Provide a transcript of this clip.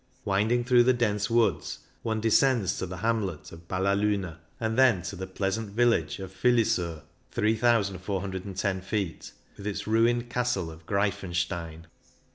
Winding through the dense woods, one descends to the hamlet of Ballaluna, and then to the pleasant village of Filisur (3,410 ft), with its ruined Castle of Greifenstein.